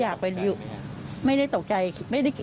ใช่ค่ะถ่ายรูปส่งให้พี่ดูไหม